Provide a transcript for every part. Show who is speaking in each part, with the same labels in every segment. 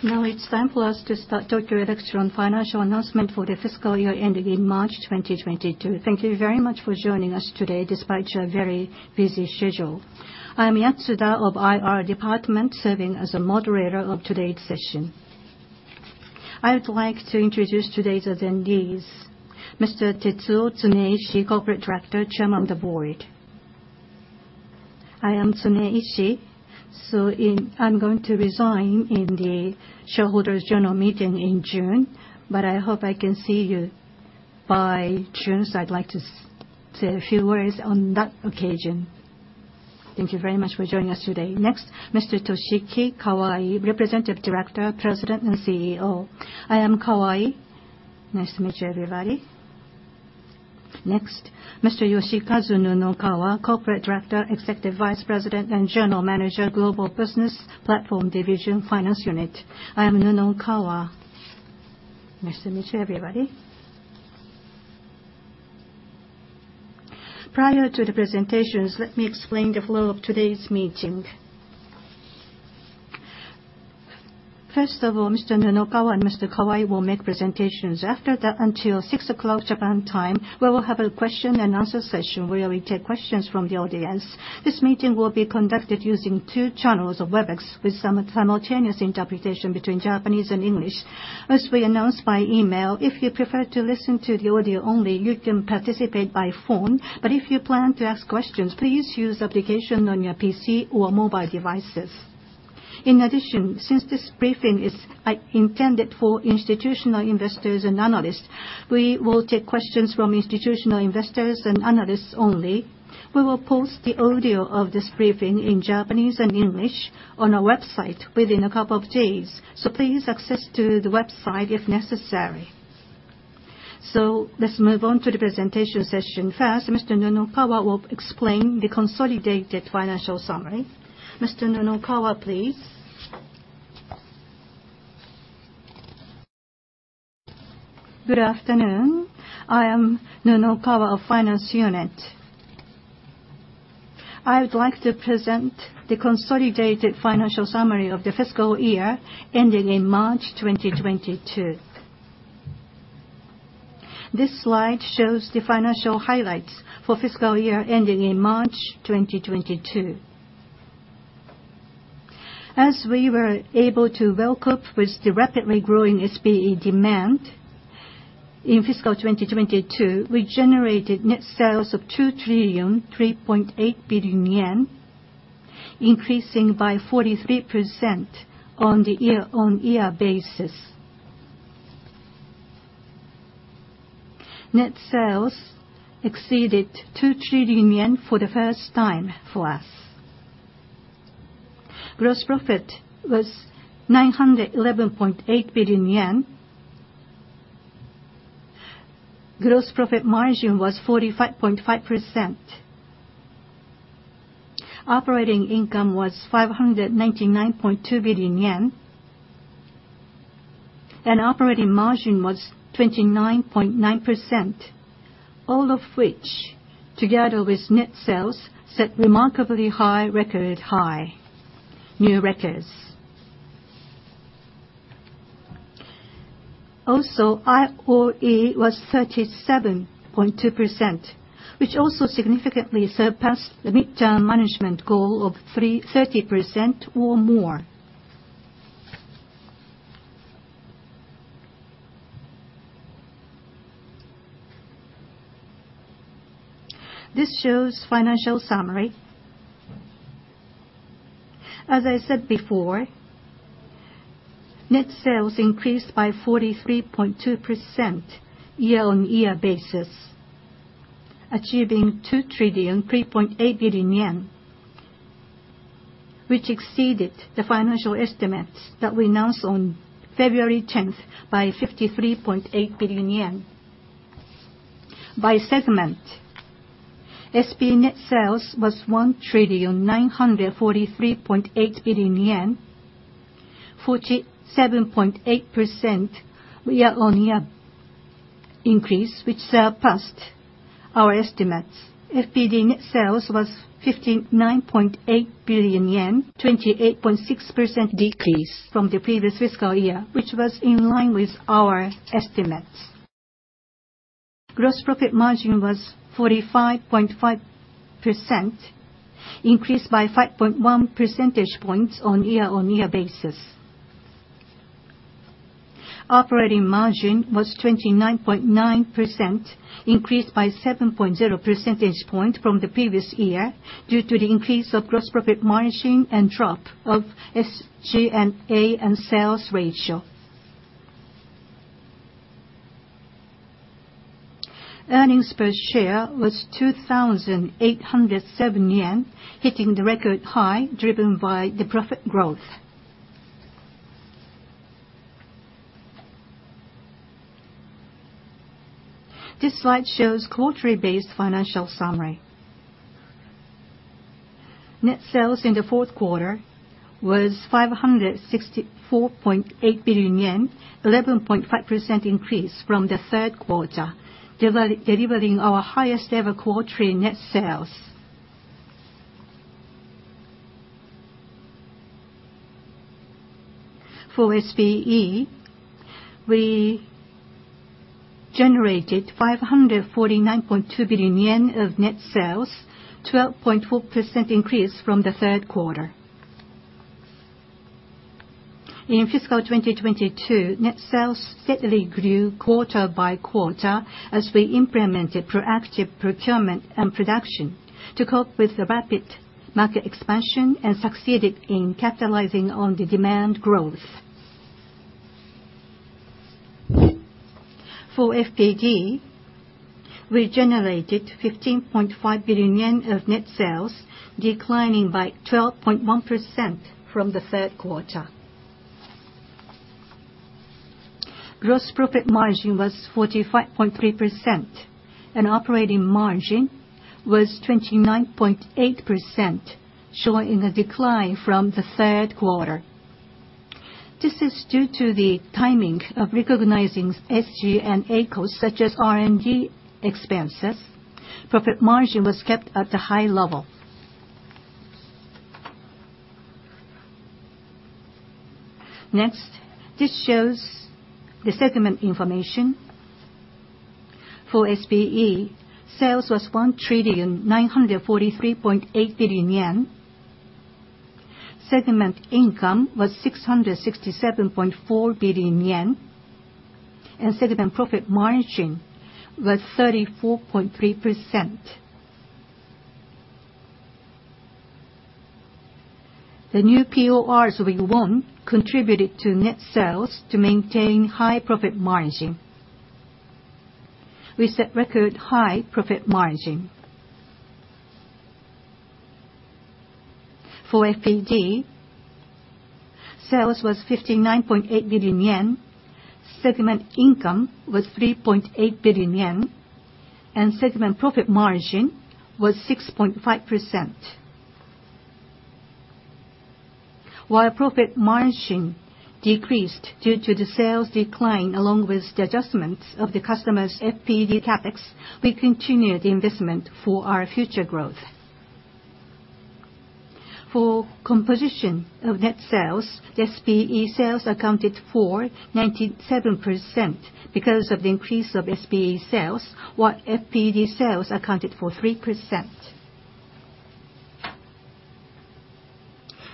Speaker 1: Now it's time for us to start Tokyo Electron financial announcement for the fiscal year ending in March 2022. Thank you very much for joining us today, despite your very busy schedule. I am Yatsuda of IR department, serving as a moderator of today's session. I would like to introduce today's attendees. Mr. Tetsuo Tsuneishi, Corporate Director, Chairman of the Board.
Speaker 2: I am Tsuneishi. I'm going to resign in the shareholders general meeting in June, but I hope I can see you by June, so I'd like to say a few words on that occasion. Thank you very much for joining us today.
Speaker 1: Next, Mr. Toshiki Kawai, Representative Director, President and CEO.
Speaker 3: I am Kawai. Nice to meet you, everybody.
Speaker 1: Next, Mr. Yoshikazu Nunokawa, Corporate Director, Executive Vice President and General Manager, Global Business Platform Division, Finance Unit.
Speaker 4: I am Nunokawa. Nice to meet you, everybody. Prior to the presentations, let me explain the flow of today's meeting. First of all, Mr. Nunokawa and Mr. Kawai will make presentations. After that, until six o'clock Japan time, we will have a question and answer session where we take questions from the audience. This meeting will be conducted using two channels of Webex with some simultaneous interpretation between Japanese and English. As we announced by email, if you prefer to listen to the audio only, you can participate by phone. But if you plan to ask questions, please use application on your PC or mobile devices. In addition, since this briefing is intended for institutional investors and analysts, we will take questions from institutional investors and analysts only. We will post the audio of this briefing in Japanese and English on our website within a couple of days, so please access to the website if necessary. Let's move on to the presentation session. First, Mr. Nunokawa will explain the consolidated financial summary. Mr. Nunokawa, please. Good afternoon. I am Nunokawa of Finance Unit. I would like to present the consolidated financial summary of the fiscal year ending in March 2022. This slide shows the financial highlights for fiscal year ending in March 2022. As we were able to well cope with the rapidly growing SPE demand, in fiscal 2022, we generated net sales of 2,003.8 billion yen, increasing by 43% on a year-on-year basis. Net sales exceeded 2 trillion yen for the first time for us. Gross profit was JPY 911.8 billion. Gross profit margin was 45.5%. Operating income was 599.2 billion yen, and operating margin was 29.9%, all of which, together with net sales, set remarkably high, record high, new records. Also, ROE was 37.2%, which also significantly surpassed the midterm management goal of 30% or more. This shows financial summary. As I said before, net sales increased by 43.2% year-on-year basis, achieving JPY 2,003.8 billion, which exceeded the financial estimates that we announced on February 10th by 53.8 billion yen. By segment, SPE net sales was JPY 1,943.8 billion, 47.8% year-on-year increase, which surpassed our estimates. FPD net sales was 59.8 billion yen, 28.6% decrease from the previous fiscal year, which was in line with our estimates. Gross profit margin was 45.5%, increased by 5.1 percentage points on year-on-year basis. Operating margin was 29.9%, increased by 7.0 percentage points from the previous year due to the increase of gross profit margin and drop of SG&A and sales ratio. Earnings per share was 2,807 yen, hitting the record high driven by the profit growth. This slide shows quarterly based financial summary. Net sales in the fourth quarter was 564.8 billion yen, 11.5% increase from the third quarter, delivering our highest ever quarterly net sales. For SPE, we generated 549.2 billion yen of net sales, 12.4% increase from the third quarter. In fiscal 2022, net sales steadily grew quarter by quarter as we implemented proactive procurement and production to cope with the rapid market expansion and succeeded in capitalizing on the demand growth. For FPD, we generated 15.5 billion yen of net sales, declining by 12.1% from the third quarter. Gross profit margin was 45.3%, and operating margin was 29.8%, showing a decline from the third quarter. This is due to the timing of recognizing SG&A costs such as R&D expenses. Profit margin was kept at a high level. Next, this shows the segment information. For SPE, sales was 1,943.8 billion yen. Segment income was 667.4 billion yen, and segment profit margin was 34.3%. The new PORs we won contributed to net sales to maintain high profit margin. We set record high profit margin. For FPD, sales was 59.8 billion yen, segment income was 3.8 billion yen, and segment profit margin was 6.5%. While profit margin decreased due to the sales decline along with the adjustments of the customer's FPD CapEx, we continued the investment for our future growth. For composition of net sales, the SPE sales accounted for 97% because of the increase of SPE sales, while FPD sales accounted for 3%.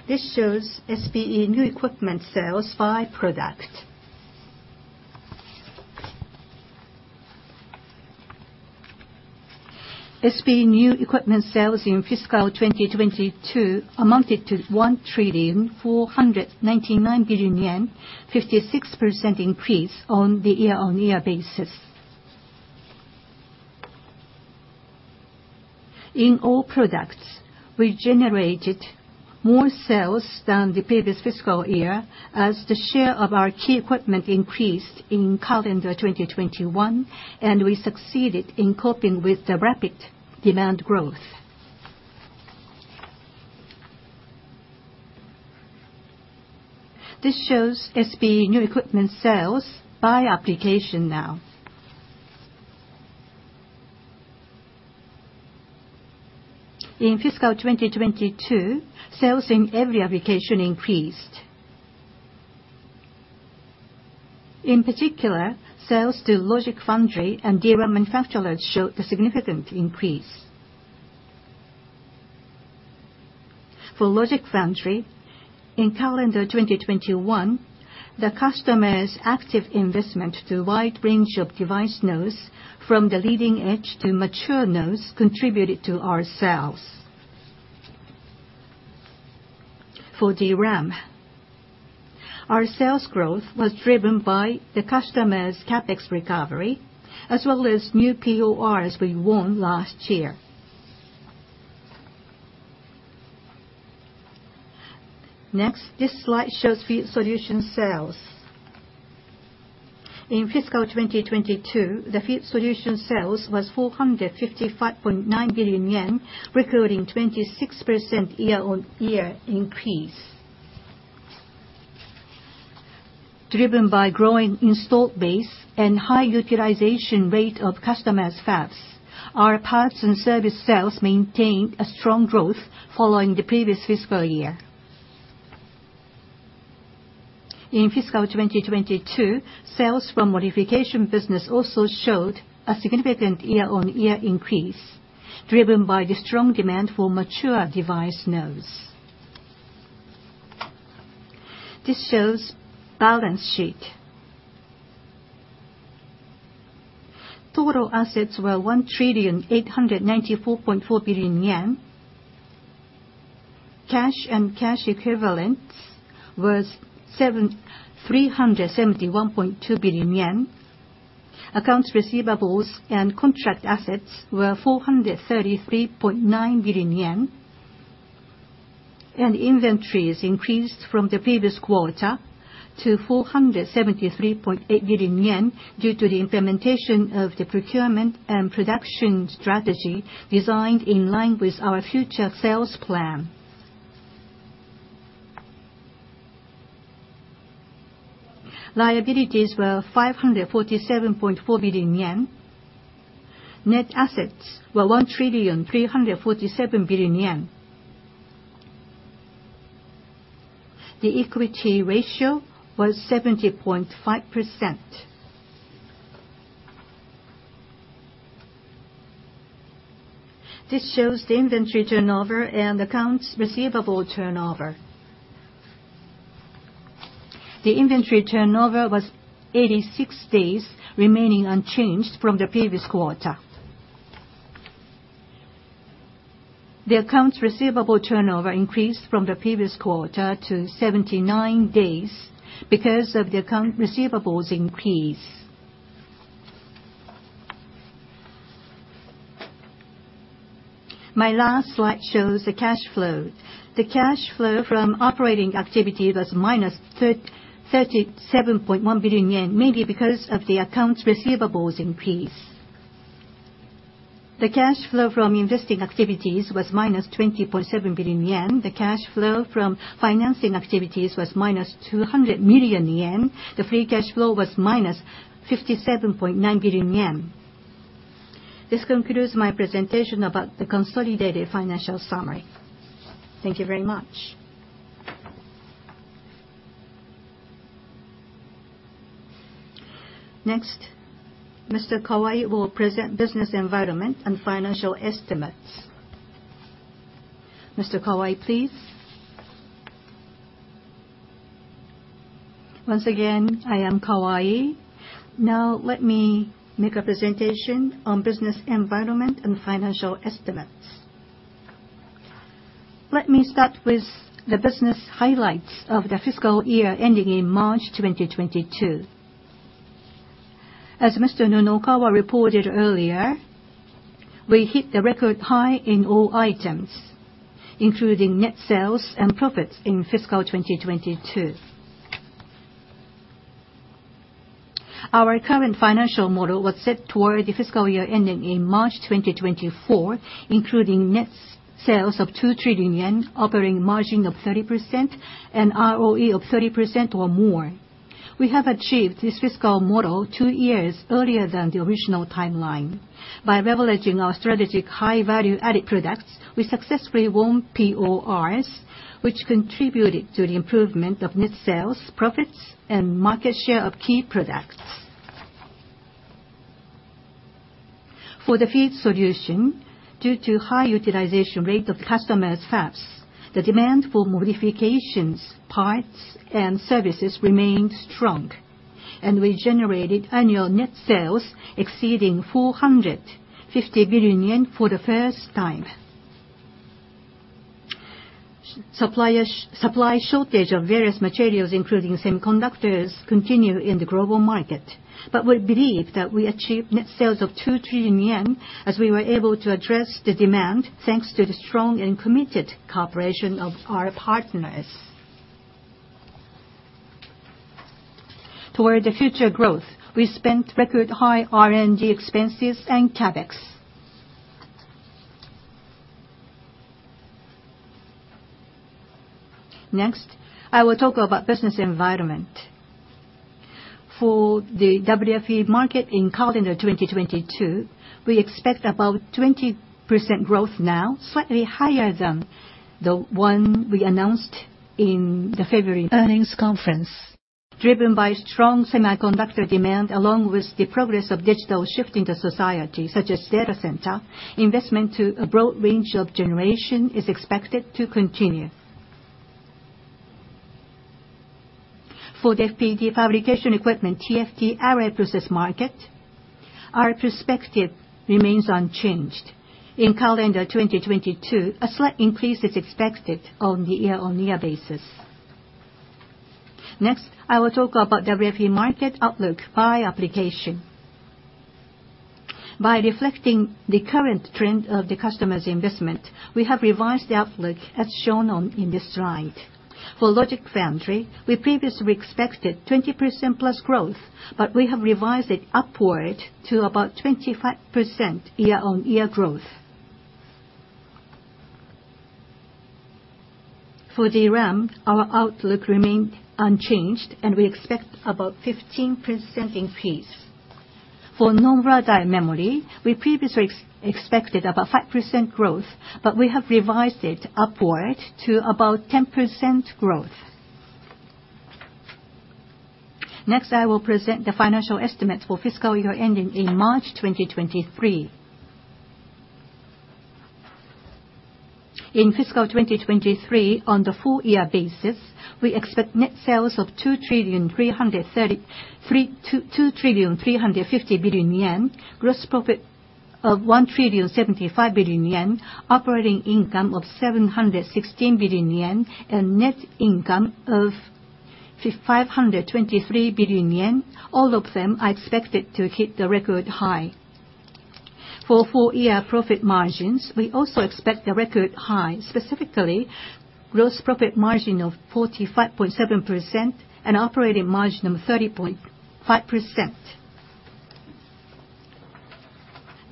Speaker 4: This shows SPE new equipment sales by product. SPE new equipment sales in fiscal 2022 amounted to 1,499 billion yen, 56% increase on the year-on-year basis. In all products, we generated more sales than the previous fiscal year as the share of our key equipment increased in calendar 2021, and we succeeded in coping with the rapid demand growth. This shows SPE new equipment sales by application now. In fiscal 2022, sales in every application increased. In particular, sales to logic foundry and DRAM manufacturers showed a significant increase. For logic foundry, in calendar 2021, the customers' active investment to a wide range of device nodes from the leading edge to mature nodes contributed to our sales. For DRAM, our sales growth was driven by the customers' CapEx recovery, as well as new PORs we won last year. Next, this slide shows Field Solutions sales. In fiscal 2022, the Field Solutions sales was 455.9 billion yen, recording 26% year-on-year increase. Driven by growing installed base and high utilization rate of customers' fabs, our parts and service sales maintained a strong growth following the previous fiscal year. In fiscal 2022, sales from modification business also showed a significant year-on-year increase driven by the strong demand for mature device nodes. This shows balance sheet. Total assets were 1,894.4 billion yen. Cash and cash equivalents was 371.2 billion yen. Accounts receivables and contract assets were 433.9 billion yen. Inventories increased from the previous quarter to 473.8 billion yen, due to the implementation of the procurement and production strategy designed in line with our future sales plan. Liabilities were 547.4 billion yen. Net assets were 1,347 billion yen. The equity ratio was 70.5%. This shows the inventory turnover and accounts receivable turnover. The inventory turnover was 86 days, remaining unchanged from the previous quarter. The accounts receivable turnover increased from the previous quarter to 79 days because of the account receivables increase. My last slide shows the cash flow. The cash flow from operating activity was -37.1 billion yen, mainly because of the accounts receivables increase. The cash flow from investing activities was -20.7 billion yen. The cash flow from financing activities was -200 million yen. The free cash flow was -57.9 billion yen. This concludes my presentation about the consolidated financial summary. Thank you very much.
Speaker 1: Next, Mr. Kawai will present business environment and financial estimates. Mr. Kawai, please.
Speaker 3: Once again, I am Kawai. Now let me make a presentation on business environment and financial estimates. Let me start with the business highlights of the fiscal year ending in March 2022. As Mr. Nunokawa reported earlier, we hit the record high in all items, including net sales and profits in fiscal 2022. Our current financial model was set toward the fiscal year ending in March 2024, including net sales of 2 trillion yen, operating margin of 30%, and ROE of 30% or more. We have achieved this fiscal model two years earlier than the original timeline. By leveraging our strategic high-value added products, we successfully won PORs, which contributed to the improvement of net sales, profits, and market share of key products. For the Field Solutions, due to high utilization rate of customers' fabs, the demand for modifications, parts, and services remained strong, and we generated annual net sales exceeding 450 billion yen for the first time. Supply shortage of various materials, including semiconductors, continues in the global market. We believe that we achieved net sales of 2 trillion yen, as we were able to address the demand thanks to the strong and committed cooperation of our partners. Toward the future growth, we spent record high R&D expenses and CapEx. Next, I will talk about business environment. For the WFE market in calendar 2022, we expect about 20% growth now, slightly higher than the one we announced in the February earnings conference. Driven by strong semiconductor demand, along with the progress of digital shift in the society, such as data center, investment to a broad range of generation is expected to continue. For the FPD fabrication equipment, TFT array process market, our perspective remains unchanged. In calendar 2022, a slight increase is expected on the year-on-year basis. Next, I will talk about WFE market outlook by application. By reflecting the current trend of the customer's investment, we have revised the outlook as shown on this slide. For logic foundry, we previously expected 20%+ growth, but we have revised it upward to about 25% year-on-year growth. For DRAM, our outlook remain unchanged, and we expect about 15% increase. For non-volatile memory, we previously expected about 5% growth, but we have revised it upward to about 10% growth. Next, I will present the financial estimates for fiscal year ending in March 2023. In fiscal 2023, on the full year basis, we expect net sales of 2.35 trillion, gross profit of 1.075 trillion, operating income of 716 billion yen, and net income of 523 billion yen. All of them are expected to hit the record high. For full year profit margins, we also expect a record high, specifically gross profit margin of 45.7% and operating margin of 30.5%.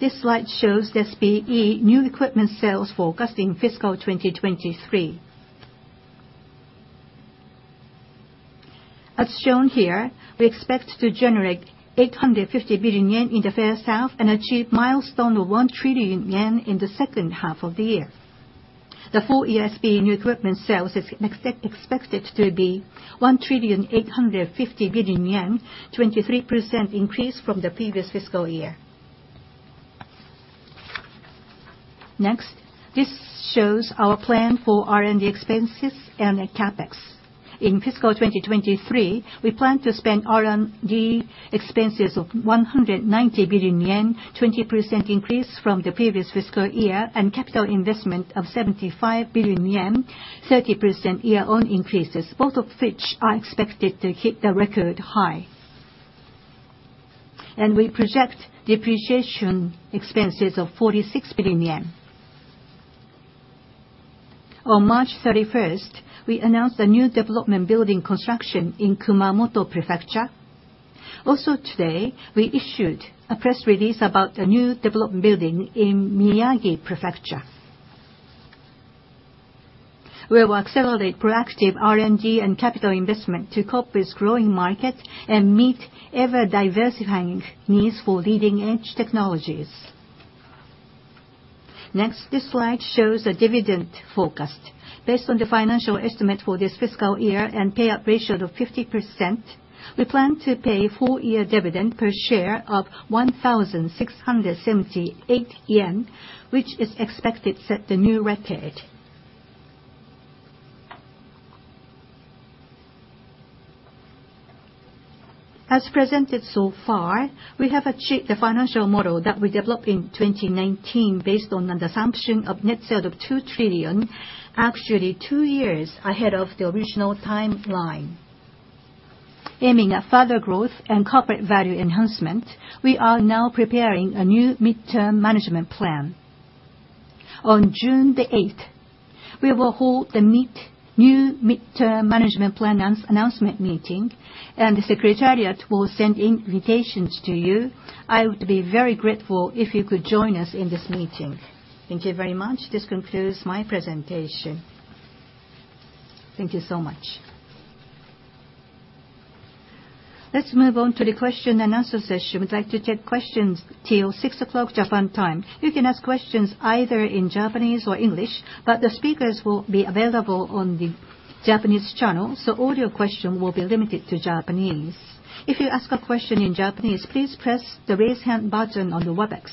Speaker 3: This slide shows the SPE new equipment sales forecasting fiscal 2023. As shown here, we expect to generate 850 billion yen in the first half and achieve milestone of 1 trillion yen in the second half of the year. The full year SPE new equipment sales is expected to be JPY 1.85 trillion, 23% increase from the previous fiscal year. Next, this shows our plan for R&D expenses and the CapEx. In fiscal 2023, we plan to spend R&D expenses of 190 billion yen, 20% increase from the previous fiscal year, and capital investment of 75 billion yen, 30% year-on-year increase, both of which are expected to hit the record high. We project depreciation expenses of JPY 46 billion. On March 31st, we announced a new development building construction in Kumamoto Prefecture. Also today, we issued a press release about a new development building in Miyagi Prefecture. We will accelerate proactive R&D and capital investment to cope with growing market and meet ever-diversifying needs for leading-edge technologies. Next, this slide shows a dividend forecast. Based on the financial estimate for this fiscal year and payout ratio of 50%, we plan to pay full year dividend per share of 1,678 yen, which is expected to set the new record. As presented so far, we have achieved the financial model that we developed in 2019 based on an assumption of net sales of 2 trillion, actually two years ahead of the original timeline. Aiming at further growth and corporate value enhancement, we are now preparing a new midterm management plan. On June 8th, we will hold the new midterm management plan announcement meeting, and the secretariat will send invitations to you. I would be very grateful if you could join us in this meeting. Thank you very much. This concludes my presentation. Thank you so much. Let's move on to the question and answer session.
Speaker 1: We'd like to take questions till 6:00 P.M. Japan time. You can ask questions either in Japanese or English, but the speakers will be available on the Japanese channel, so all your question will be limited to Japanese. If you ask a question in Japanese, please press the Raise Hand button on the Webex.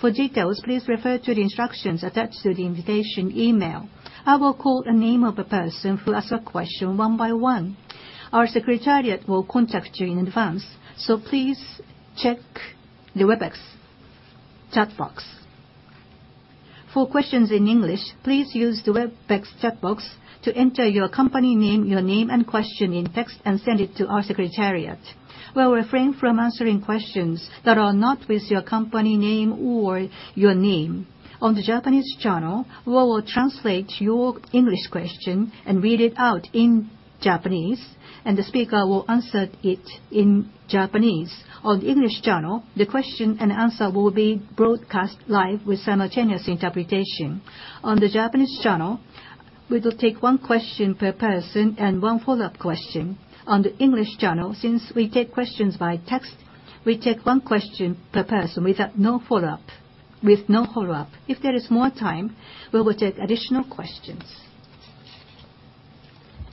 Speaker 1: For details, please refer to the instructions attached to the invitation email. I will call a name of a person who ask a question one by one. Our secretariat will contact you in advance, so please check the Webex chat box. For questions in English, please use the Webex chat box to enter your company name, your name, and question in text and send it to our secretariat. We'll refrain from answering questions that are not with your company name or your name. On the Japanese channel, we will translate your English question and read it out in Japanese, and the speaker will answer it in Japanese. On the English channel, the question and answer will be broadcast live with simultaneous interpretation. On the Japanese channel, we will take one question per person and one follow-up question. On the English channel, since we take questions by text, we take one question per person without no follow-up, with no follow-up. If there is more time, we will take additional questions.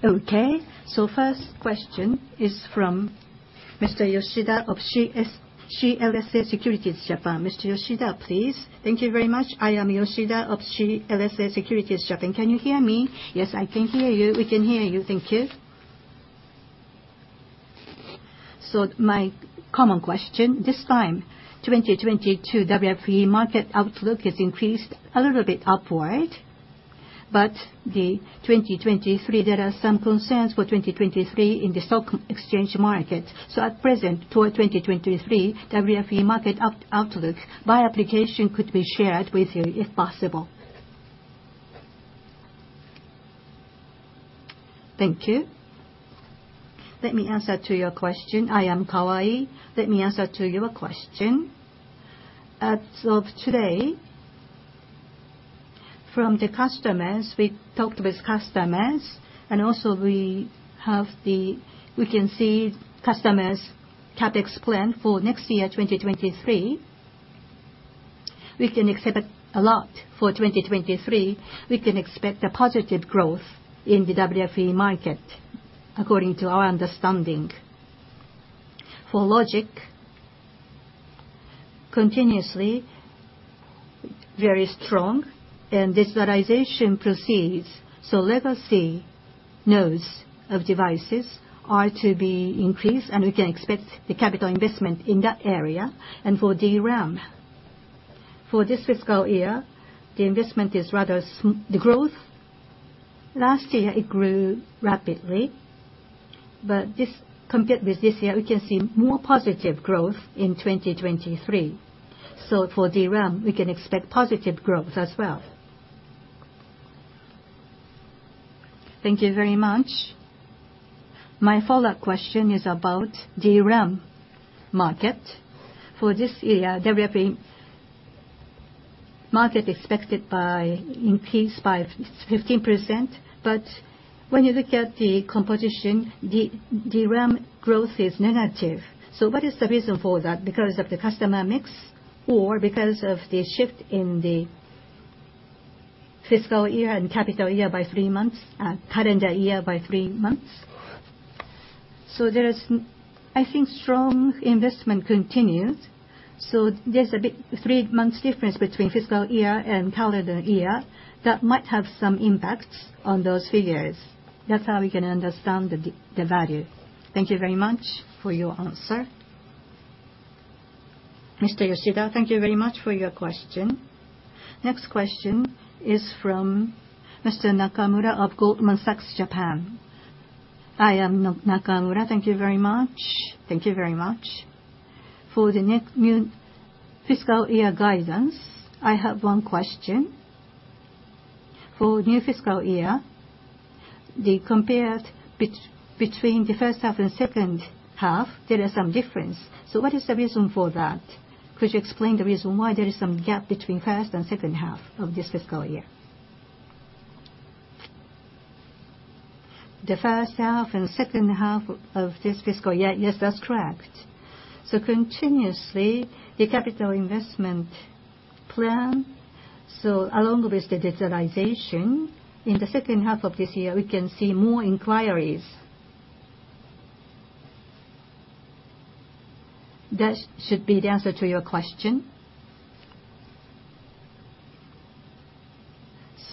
Speaker 1: Okay, first question is from Mr. Yoshida of CLSA Securities Japan. Mr. Yoshida, please. Thank you very much.
Speaker 5: I am Yoshida of CLSA Securities Japan. Can you hear me? Yes, I can hear you. We can hear you. Thank you. My common question, this time, 2022 WFE market outlook has increased a little bit upward, but the 2023, there are some concerns for 2023 in the semiconductor market. At present, for 2023, WFE market outlook, by application could be shared with you if possible.
Speaker 3: Thank you. Let me answer to your question. I am Kawai. As of today, from the customers, we talked with customers, and also we can see customers' CapEx plan for next year, 2023. We can expect a lot for 2023. We can expect a positive growth in the WFE market according to our understanding. For logic, continuously very strong, and digitalization proceeds. Legacy nodes of devices are to be increased, and we can expect the capital investment in that area. For DRAM, for this fiscal year, the investment is rather small, the growth. Last year, it grew rapidly, but compared with this year, we can see more positive growth in 2023. For DRAM, we can expect positive growth as well. Thank you very much. My follow-up question is about DRAM market. For this year, the market is expected to increase by 15%. When you look at the competition, the DRAM growth is negative. What is the reason for that? Because of the customer mix or because of the shift in the fiscal year and calendar year by three months, calendar year by three months? There is, I think, strong investment continues. There's a big three-month difference between fiscal year and calendar year that might have some impacts on those figures. That's how we can understand the value.
Speaker 5: Thank you very much for your answer.
Speaker 3: Mr. Yoshida, thank you very much for your question.
Speaker 1: Next question is from Mr. Nakamura of Goldman Sachs, Japan.
Speaker 6: I am Nakamura. Thank you very much. For the new fiscal year guidance, I have one question. For new fiscal year, between the first half and second half, there are some difference. What is the reason for that? Could you explain the reason why there is some gap between first and second half of this fiscal year?
Speaker 3: The first half and second half of this fiscal year. Yes, that's correct. Continuously, the capital investment plan, along with the digitalization, in the second half of this year, we can see more inquiries. That should be the answer to your question.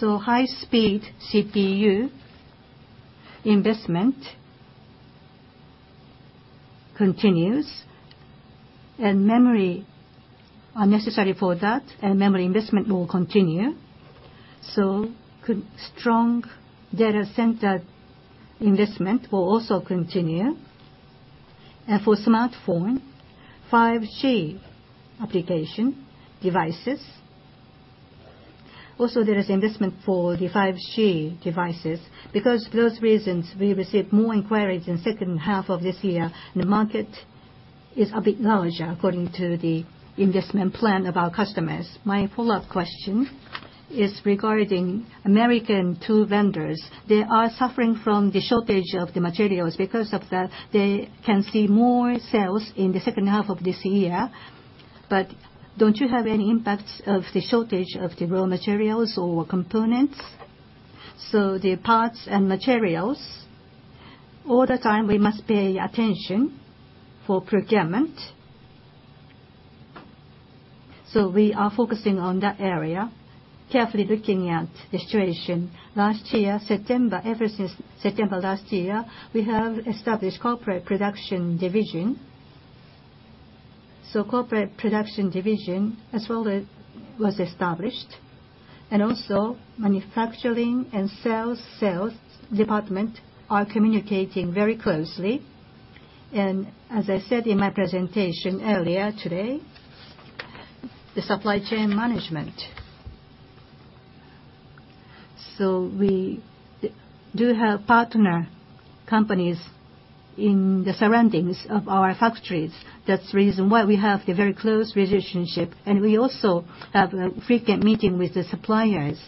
Speaker 3: High speed CPU investment continues, and memory are necessary for that, and memory investment will continue. Strong data center investment will also continue. For smartphone, 5G application devices. There is investment for the 5G devices. Because those reasons, we receive more inquiries in second half of this year. The market is a bit larger according to the investment plan of our customers. My follow-up question is regarding American tool vendors. They are suffering from the shortage of the materials. Because of that, they can see more sales in the second half of this year. Don't you have any impacts of the shortage of the raw materials or components? The parts and materials, all the time we must pay attention for procurement. We are focusing on that area, carefully looking at the situation. Last year, September, ever since September last year, we have established Corporate Production Division. Corporate Production Division as well, it was established, and also manufacturing and sales department are communicating very closely. As I said in my presentation earlier today, the supply chain management. We do have partner companies in the surroundings of our factories. That's the reason why we have a very close relationship, and we also have a frequent meeting with the suppliers,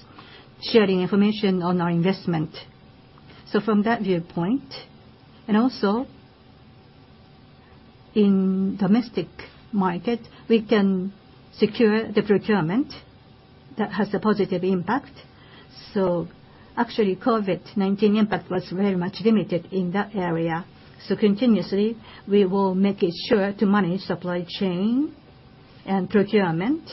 Speaker 3: sharing information on our investment. From that viewpoint, and also in domestic market, we can secure the procurement. That has a positive impact. Actually, COVID-19 impact was very much limited in that area. Continuously, we will make sure to manage supply chain and procurement.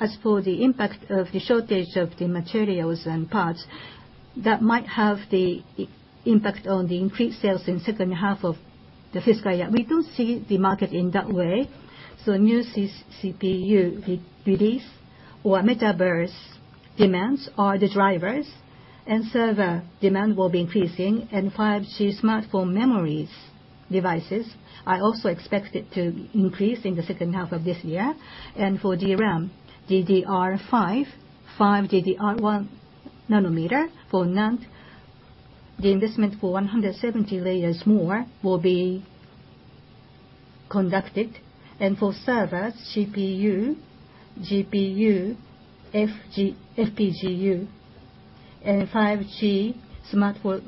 Speaker 3: As for the impact of the shortage of the materials and parts, that might have the impact on the increased sales in second half of the fiscal year. We do see the market in that way. New CPU re-release or metaverse demands are the drivers, and server demand will be increasing, and 5G smartphone memory devices are also expected to increase in the second half of this year. For DRAM, DDR5, 1α. For NAND, the investment for 170 layers more will be conducted. For servers, CPU, GPU, FPGA, and 5G smartphone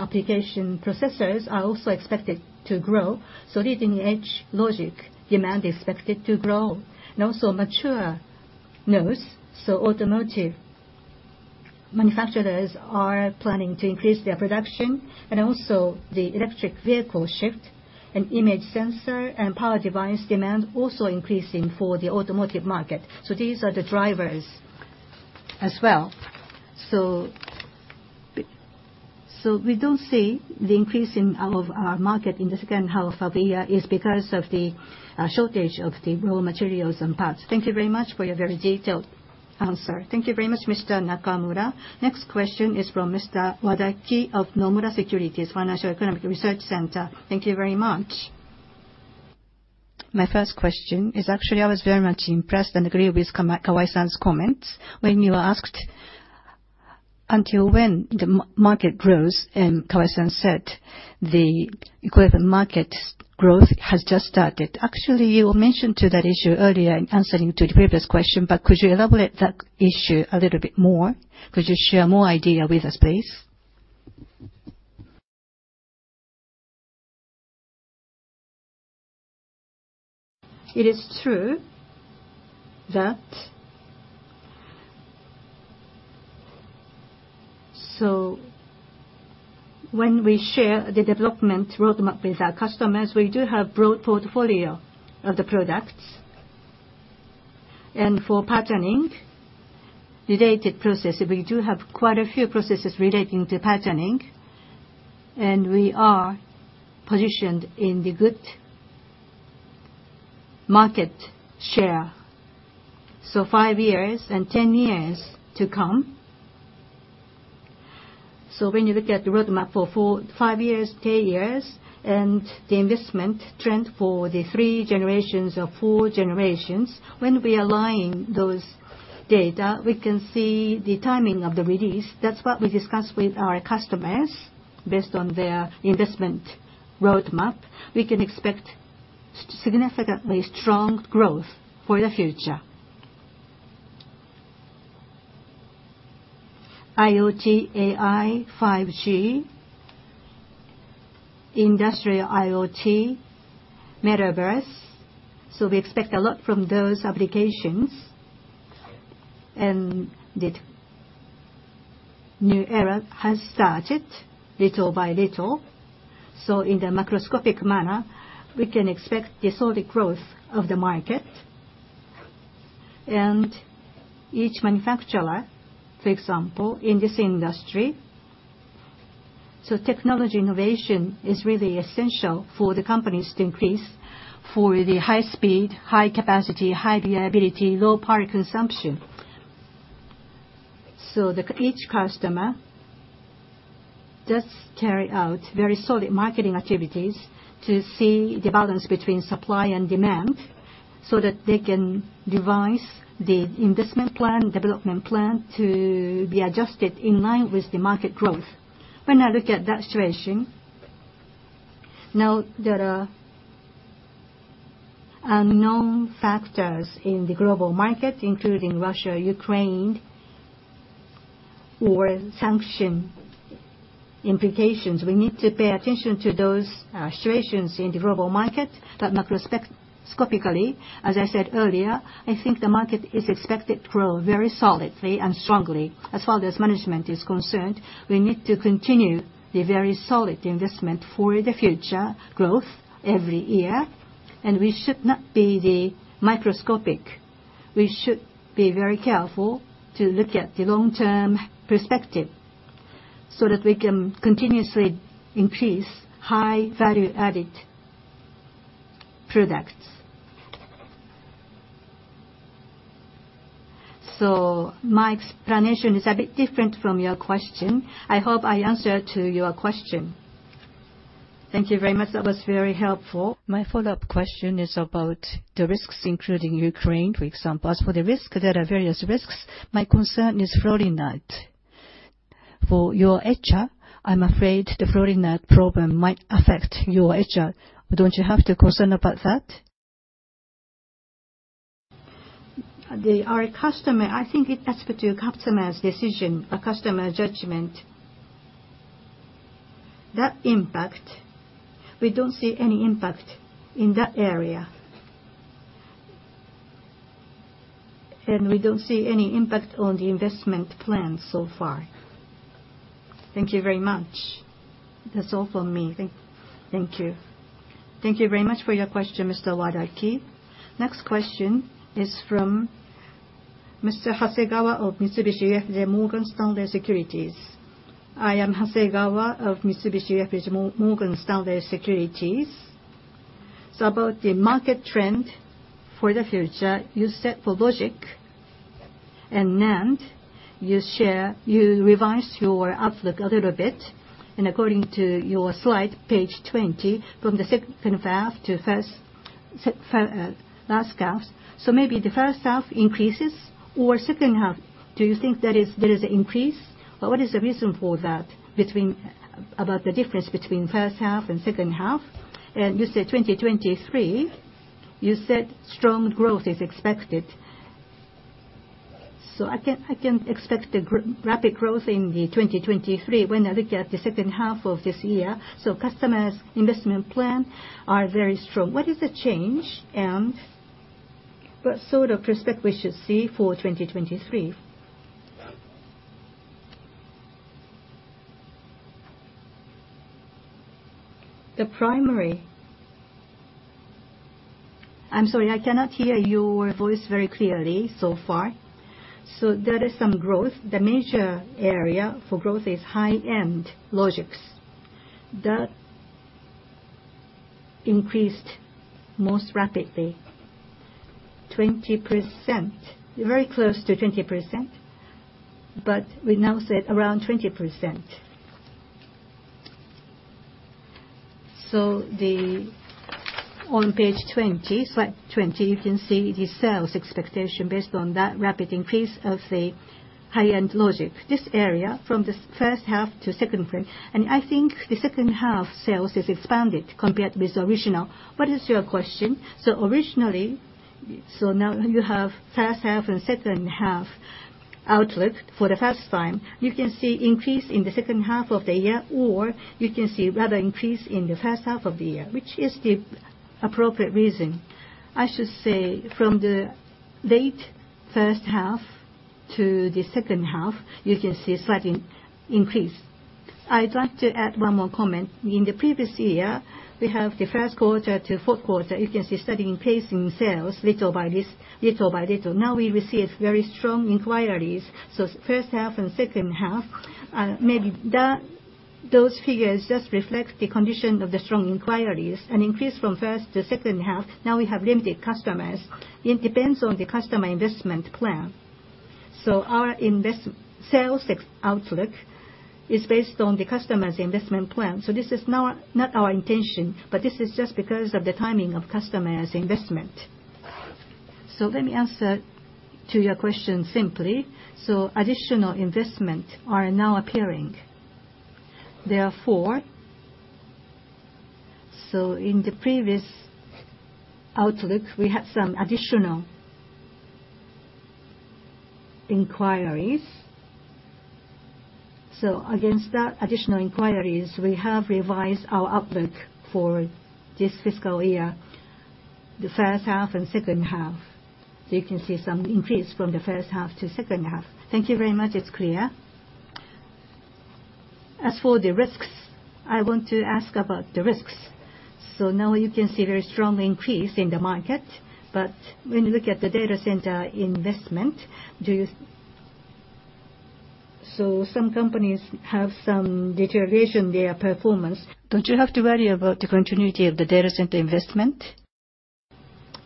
Speaker 3: application processors are also expected to grow. Leading-edge logic demand is expected to grow. Also mature nodes, so automotive manufacturers are planning to increase their production. Also the electric vehicle shift and image sensor and power device demand also increasing for the automotive market. These are the drivers as well. We don't see the increase in our market in the second half of the year is because of the shortage of the raw materials and parts.
Speaker 6: Thank you very much for your very detailed answer.
Speaker 1: Thank you very much, Mr. Nakamura. Next question is from Mr. Wadaki of Nomura Securities Financial & Economic Research Center.
Speaker 7: Thank you very much. My first question is, actually I was very much impressed and agree with Kawai-san's comments. When you asked until when the market grows, and Kawai-san said the equivalent market growth has just started. Actually, you mentioned to that issue earlier in answering to the previous question, but could you elaborate that issue a little bit more? Could you share more idea with us, please?
Speaker 3: It is true that, when we share the development roadmap with our customers, we do have broad portfolio of the products. For patterning related process, we do have quite a few processes relating to patterning, and we are positioned in the good market share. five years and 10 years to come. When you look at the roadmap for five years, 10 years, and the investment trend for the three generations or four generations, when we align those data, we can see the timing of the release. That's what we discuss with our customers based on their investment roadmap. We can expect significantly strong growth for the future. IoT, AI, 5G, industrial IoT, metaverse, so we expect a lot from those applications. The new era has started little by little, so in the macroscopic manner, we can expect the solid growth of the market. Each manufacturer, for example, in this industry, so technology innovation is really essential for the companies to increase for the high speed, high capacity, high reliability, low power consumption. Each customer does carry out very solid marketing activities to see the balance between supply and demand, so that they can devise the investment plan, development plan to be adjusted in line with the market growth. When I look at that situation, now there are known factors in the global market, including Russia, Ukraine, or sanction implications. We need to pay attention to those situations in the global market. Macroscopically, as I said earlier, I think the market is expected to grow very solidly and strongly. As far as management is concerned, we need to continue the very solid investment for the future growth every year, and we should not be the microscopic.
Speaker 1: We should be very careful to look at the long-term perspective so that we can continuously increase high value-added products. My explanation is a bit different from your question. I hope I answered to your question.
Speaker 7: Thank you very much. That was very helpful. My follow-up question is about the risks, including Ukraine, for example. As for the risk, there are various risks. My concern is fluorine gas. For your etcher, I'm afraid the fluorine gas problem might affect your etcher. Don't you have to concern about that?
Speaker 3: Our customer, I think it's up to customer's decision or customer judgment. That impact, we don't see any impact in that area. We don't see any impact on the investment plan so far.
Speaker 7: Thank you very much. That's all from me. Thank you.
Speaker 1: Thank you very much for your question, Mr. Wadaki. Next question is from Mr. Hasegawa of Mitsubishi UFJ Morgan Stanley Securities.
Speaker 8: I am Hasegawa of Mitsubishi UFJ Morgan Stanley Securities. About the market trend for the future, you said for logic and NAND, you revised your outlook a little bit. According to your slide, page 20, from the second half to first last half. Maybe the first half increases or second half. Do you think there is an increase? Or what is the reason for that between about the difference between first half and second half? You said 2023, you said strong growth is expected. I can expect the rapid growth in the 2023 when I look at the second half of this year. Customers' investment plan are very strong.
Speaker 1: What is the change, and what sort of prospect we should see for 2023?
Speaker 3: I'm sorry, I cannot hear your voice very clearly so far. There is some growth. The major area for growth is high-end logics. That increased most rapidly, 20%. Very close to 20%, but we now say around 20%. On page 20, slide 20, you can see the sales expectation based on that rapid increase of the high-end logic. This area from the first half to second half, and I think the second half sales has expanded compared with original. What is your question? Originally, now you have first half and second half outlook for the first time. You can see increase in the second half of the year, or you can see rather increase in the first half of the year, which is the appropriate reason. I should say from the late first half to the second half, you can see slight increase. I'd like to add one more comment. In the previous year, we have the first quarter to fourth quarter. You can see steady increase in sales, little by little. Now we receive very strong inquiries, first half and second half, maybe that, those figures just reflect the condition of the strong inquiries and increase from first to second half. Now we have limited customers. It depends on the customer investment plan. Our sales outlook is based on the customer's investment plan. This is not our intention, but this is just because of the timing of customer's investment. Let me answer to your question simply. Additional investment are now appearing. Therefore, in the previous outlook, we had some additional inquiries. Against that additional inquiries, we have revised our outlook for this fiscal year, the first half and second half. You can see some increase from the first half to second half.
Speaker 8: Thank you very much. It's clear. As for the risks, I want to ask about the risks. Now you can see very strong increase in the market, but when you look at the data center investment, do you worry? Some companies have some deterioration in their performance. Don't you have to worry about the continuity of the data center investment?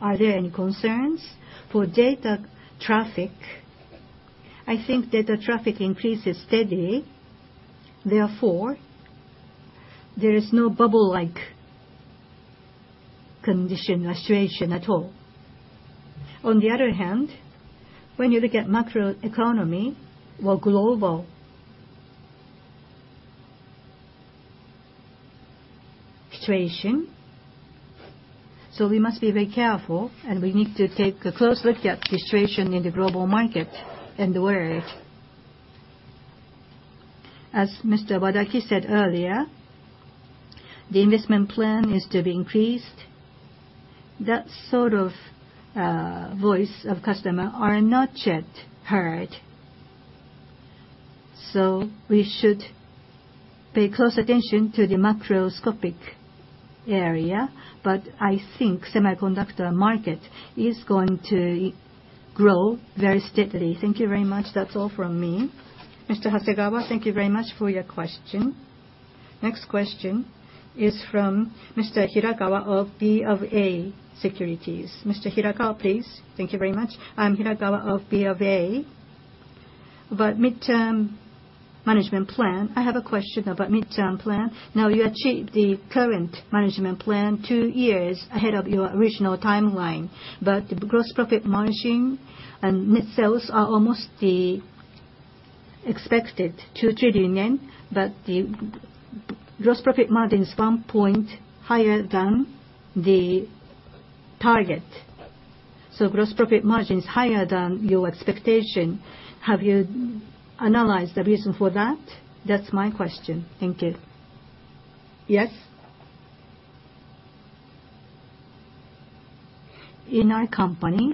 Speaker 8: Are there any concerns?
Speaker 3: For data traffic, I think data traffic increases steadily. Therefore, there is no bubble-like condition or situation at all. On the other hand, when you look at macroeconomy or global situation, we must be very careful, and we need to take a close look at the situation in the global market and the world. As Mr. Wadaki said earlier, the investment plan is to be increased. That sort of, voice of customer are not yet heard. We should pay close attention to the macroscopic area. I think semiconductor market is going to grow very steadily.
Speaker 8: Thank you very much. That's all from me.
Speaker 1: Mr. Hasegawa, thank you very much for your question. Next question is from Mr. Hirakawa of BofA Securities. Mr. Hirakawa, please.
Speaker 9: Thank you very much. I'm Hirakawa of BofA. About midterm management plan, I have a question about midterm plan.
Speaker 1: Now you achieved the current management plan two years ahead of your original timeline, but the gross profit margin and net sales are almost the expected 2 trillion yen. The gross profit margin is one point higher than the target. Gross profit margin is higher than your expectation. Have you analyzed the reason for that? That's my question.
Speaker 3: Thank you. Yes. In our company,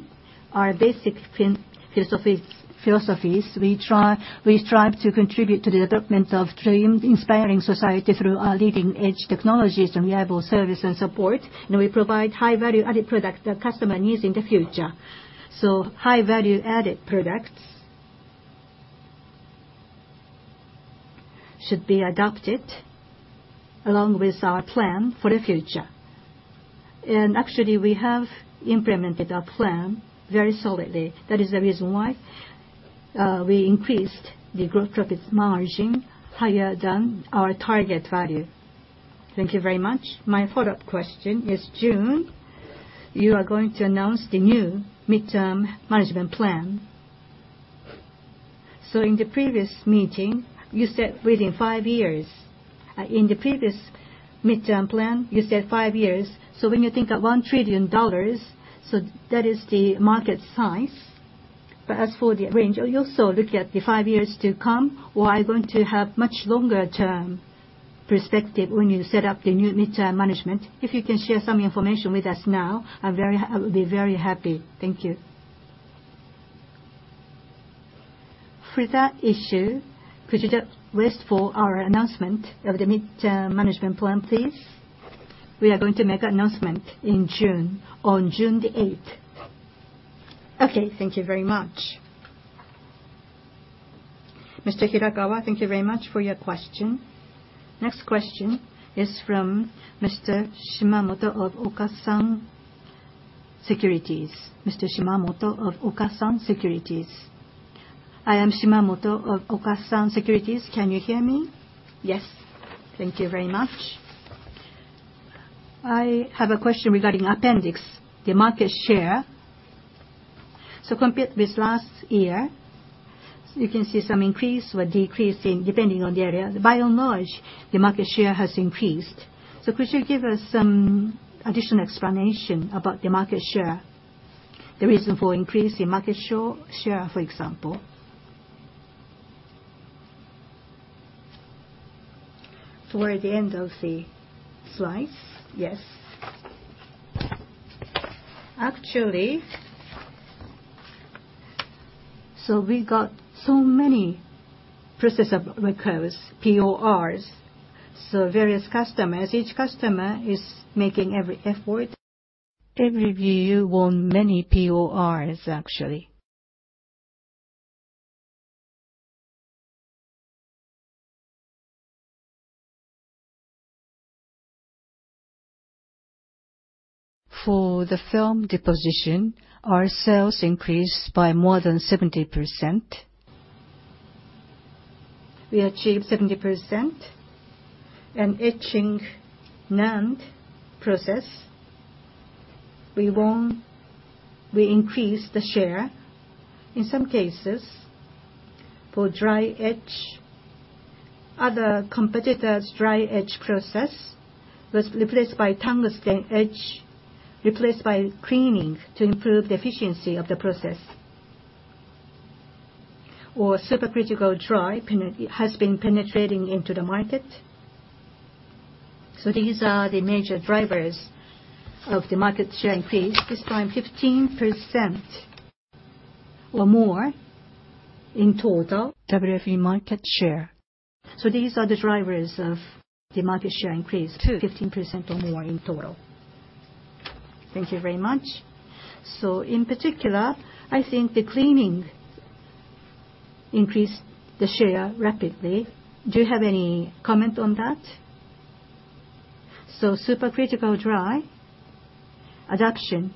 Speaker 3: our basic philosophies, we try, we strive to contribute to the development of dream inspiring society through our leading-edge technologies and reliable service and support. We provide high value-added product that customer needs in the future. High value-added products should be adopted along with our plan for the future. Actually, we have implemented our plan very solidly. That is the reason why we increased the gross profit margin higher than our target value.
Speaker 9: Thank you very much. My follow-up question is, in June, you are going to announce the new mid-term management plan. In the previous meeting, you said within five years. In the previous mid-term plan, you said five years. When you think of $1 trillion, so that is the market size. As for the range, are you also looking at the five years to come, or are you going to have much longer term perspective when you set up the new mid-term management? If you can share some information with us now, I would be very happy. Thank you. For that issue, could you just wait for our announcement of the mid-term management plan, please?
Speaker 3: We are going to make an announcement in June, on June 8th.
Speaker 9: Okay, thank you very much.
Speaker 1: Mr. Hirakawa, thank you very much for your question. Next question is from Mr. I am Shimamoto of Okasan Securities. Can you hear me?
Speaker 10: Yes. Thank you very much. I have a question regarding appendix, the market share. Compared with last year, you can see some increase or decrease in depending on the area. By and large, the market share has increased. Could you give us some additional explanation about the market share?
Speaker 3: The reason for increase in market share, for example. Toward the end of the slides? Yes. Actually, we got so many POR requests, PORs. Various customers, each customer is making every effort to review many PORs, actually. For the film deposition, our sales increased by more than 70%. We achieved 70%. Etching NAND process, we won. We increased the share. In some cases, for dry etch, other competitors' dry etch process was replaced by tungsten etch, replaced by cleaning to improve the efficiency of the process. Supercritical dry has been penetrating into the market. These are the major drivers of the market share increase, this time 15% or more in total. WFE market share. These are the drivers of the market share increase to 15% or more in total. Thank you very much. In particular, I think the cleaning increased the share rapidly. Do you have any comment on that? Supercritical dry adoption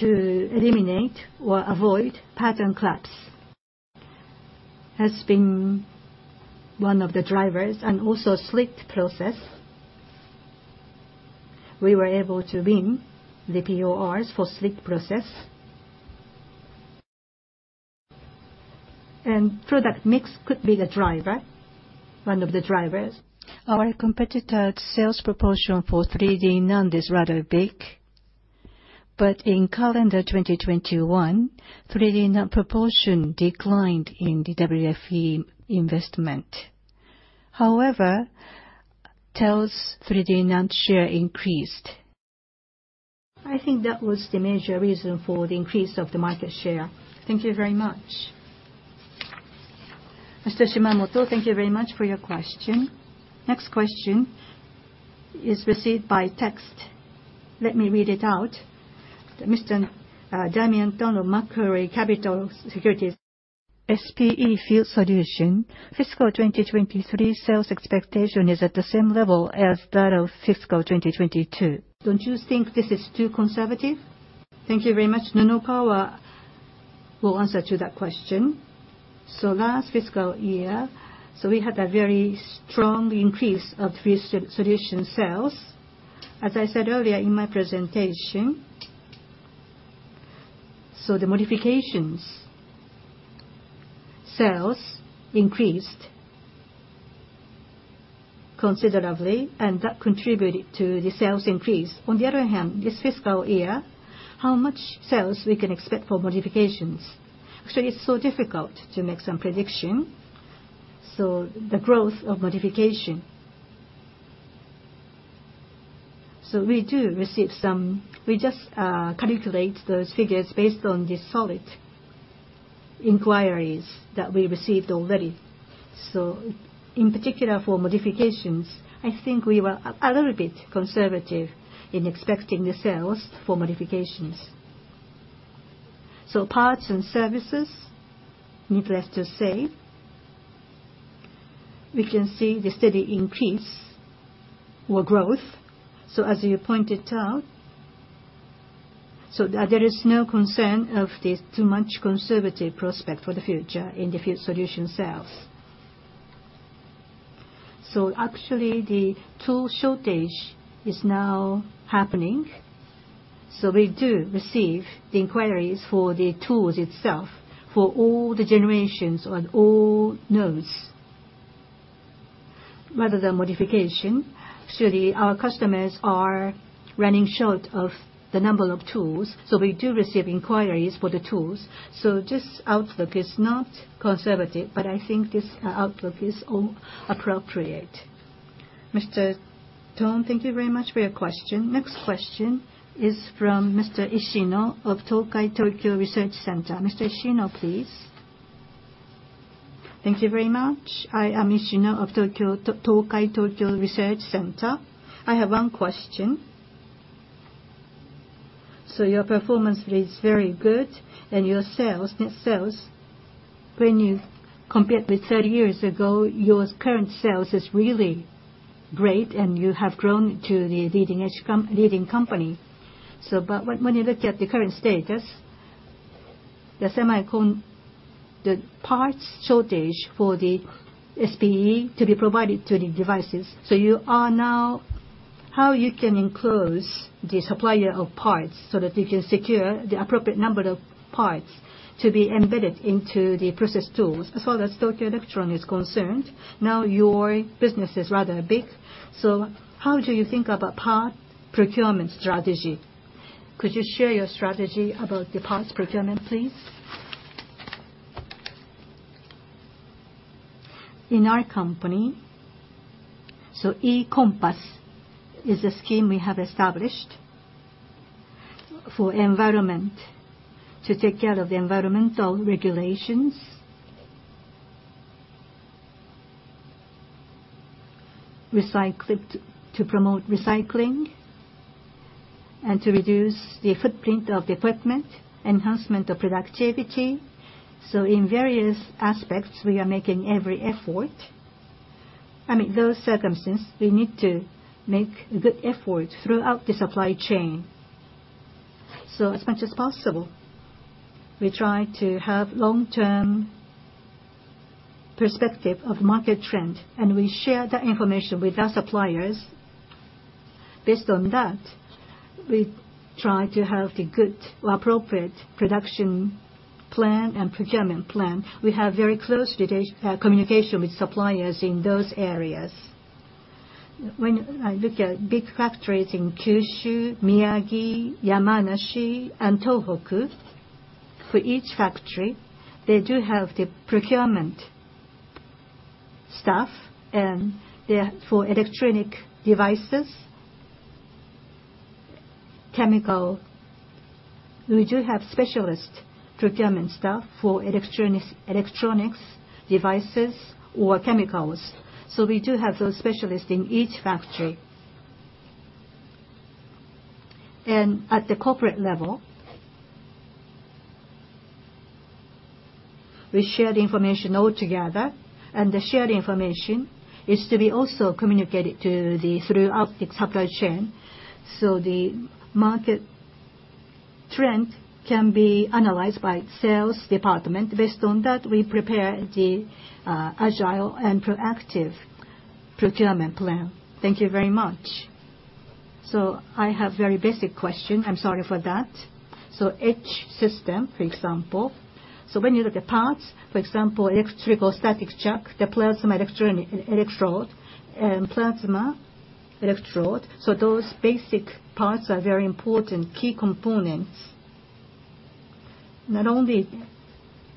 Speaker 3: to eliminate or avoid pattern collapse has been one of the drivers, and also slit process. We were able to win the PORs for slit process. Product mix could be the driver, one of the drivers. Our competitor's sales proportion for 3D NAND is rather big. In calendar 2021, 3D NAND proportion declined in the WFE investment. TEL's 3D NAND share increased. I think that was the major reason for the increase of the market share.
Speaker 10: Thank you very much.
Speaker 1: Mr. Shimamoto, thank you very much for your question. Next question is received by text. Let me read it out. Mr. Damian Thong, Macquarie Capital Securities. SPE Field Solution, fiscal 2023 sales expectation is at the same level as that of fiscal 2022. Don't you think this is too conservative? Thank you very much. Nunokawa will answer to that question. Last fiscal year, we had a very strong increase of Field Solution sales. As I said earlier in my presentation, the modifications sales increased considerably, and that contributed to the sales increase. On the other hand, this fiscal year, how much sales we can expect for modifications?
Speaker 4: Actually, it's so difficult to make some prediction. The growth of modification. We do receive. We just calculate those figures based on the solid inquiries that we received already. In particular, for modifications, I think we were a little bit conservative in expecting the sales for modifications. Parts and services, needless to say, we can see the steady increase or growth. As you pointed out, so there is no concern of this too much conservative prospect for the future in the Field Solutions sales. Actually, the tool shortage is now happening. We do receive the inquiries for the tools itself for all the generations on all nodes rather than modification. Actually, our customers are running short of the number of tools, so we do receive inquiries for the tools. This outlook is not conservative, but I think this outlook is appropriate.
Speaker 1: Mr. Thong, thank you very much for your question. Next question is from Mr. Ishino of Tokai Tokyo Research Center. Mr. Ishino, please.
Speaker 11: Thank you very much. I am Ishino of Tokai Tokyo Research Center. I have one question. Your performance is very good and your sales, net sales, when you compare with 30 years ago, your current sales is really great, and you have grown to the leading edge leading company. But when you look at the current status, the parts shortage for the SPE to be provided to the devices. You are now how you can engage the supplier of parts so that you can secure the appropriate number of parts to be embedded into the process tools? As far as Tokyo Electron is concerned, now your business is rather big. How do you think about part procurement strategy? Could you share your strategy about the parts procurement, please?
Speaker 3: In our company, E-COMPASS is a scheme we have established for environment to take care of the environmental regulations. To promote recycling and to reduce the footprint of the equipment, enhancement of productivity. In various aspects, we are making every effort. I mean, those circumstances, we need to make a good effort throughout the supply chain. As much as possible, we try to have long-term perspective of market trend, and we share that information with our suppliers. Based on that, we try to have the good or appropriate production plan and procurement plan. We have very close communication with suppliers in those areas. When I look at big factories in Kyushu, Miyagi, Yamanashi, and Tohoku, for each factory, they do have the procurement staff, and they're for electronic devices, chemicals. We do have specialist procurement staff for electronics devices or chemicals. We do have those specialists in each factory. At the corporate level, we share the information all together, and the shared information is to be also communicated to the through our supply chain. The market trend can be analyzed by sales department. Based on that, we prepare the agile and proactive procurement plan.
Speaker 11: Thank you very much. I have very basic question, I'm sorry for that. Etch system, for example. When you look at parts, for example, electrostatic chuck, the plasma electrode and plasma electrode. Those basic parts are very important key components. Not only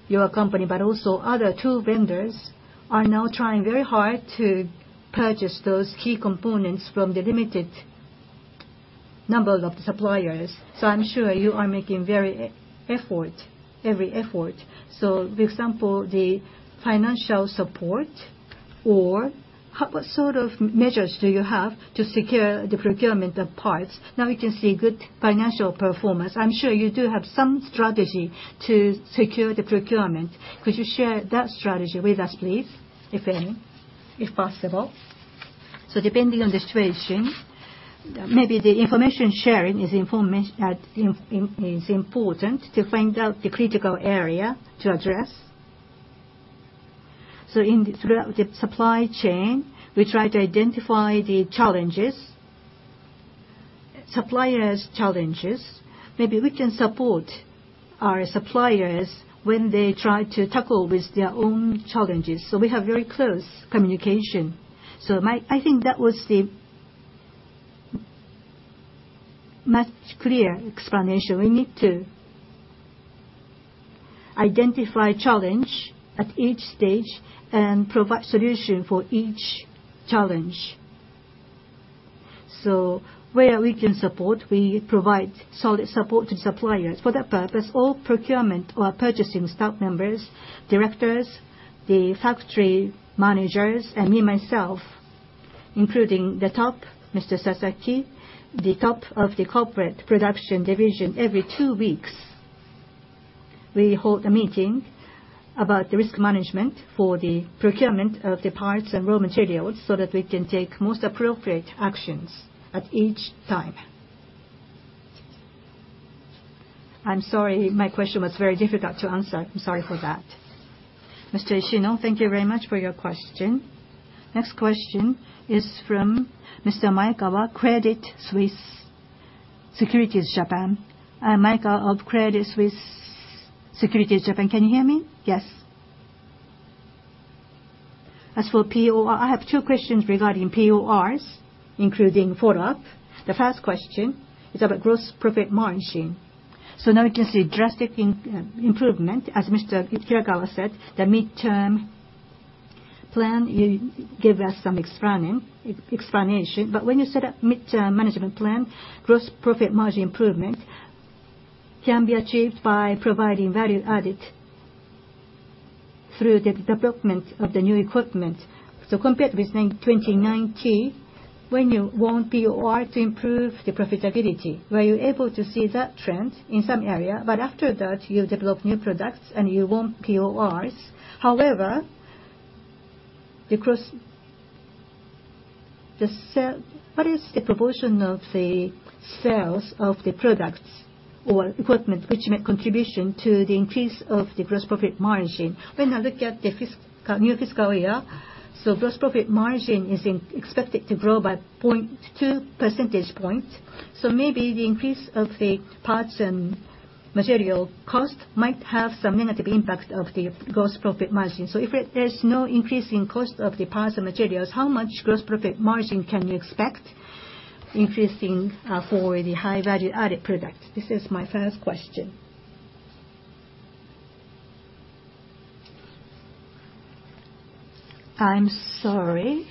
Speaker 11: your company, but also other tool vendors are now trying very hard to purchase those key components from the limited number of suppliers. I'm sure you are making every effort. For example, the financial support or what sort of measures do you have to secure the procurement of parts?
Speaker 3: Now we can see good financial performance. I'm sure you do have some strategy to secure the procurement. Could you share that strategy with us, please, if any, if possible? Depending on the situation, maybe the information sharing is important to find out the critical area to address. Throughout the supply chain, we try to identify the challenges, suppliers' challenges. Maybe we can support our suppliers when they try to tackle with their own challenges. We have very close communication. I think that was a much clearer explanation. We need to identify challenge at each stage and provide solution for each challenge. Where we can support, we provide solid support to suppliers. For that purpose, all procurement or purchasing staff members, directors, the factory managers, and me myself, including the top, Mr. Sasagawa, the top of the Corporate Production Division, every two weeks, we hold a meeting about the risk management for the procurement of the parts and raw materials so that we can take most appropriate actions at each time.
Speaker 11: I'm sorry, my question was very difficult to answer.
Speaker 1: I'm sorry for that. Mr. Ishino, thank you very much for your question. Next question is from Mr. Maekawa, Credit Suisse Securities (Japan) Limited.
Speaker 12: I'm Maekawa of Credit Suisse Securities (Japan) Limited. Can you hear me? Yes. As for POR, I have two questions regarding PORs, including follow-up. The first question is about gross profit margin. Now we can see drastic improvement. As Mr. Hirakawa said, the midterm plan, you gave us some explanation. When you set up midterm management plan, gross profit margin improvement can be achieved by providing value added through the development of the new equipment. Compared with 2019, when you win POR to improve the profitability, were you able to see that trend in some area? After that, you develop new products and you win PORs. However, what is the proportion of the sales of the products or equipment which make contribution to the increase of the gross profit margin?
Speaker 3: When I look at the new fiscal year, gross profit margin is expected to grow by 0.2 percentage points. Maybe the increase of the parts and material cost might have some negative impact of the gross profit margin. If there's no increase in cost of the parts and materials, how much gross profit margin can you expect increasing for the high value-added product? This is my first question. I'm sorry.